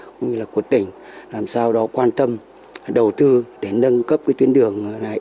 cũng như là của tỉnh làm sao đó quan tâm đầu tư để nâng cấp cái tuyến đường này